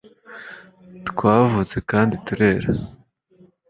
twavutse kandi turera